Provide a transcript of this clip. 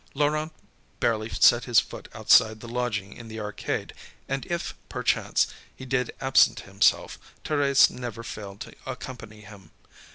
Laurent barely set his foot outside the lodging in the arcade, and if, perchance, he did absent himself, Thérèse never failed to accompany him.